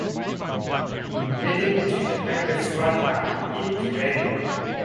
He reverted to the practice squad after each game.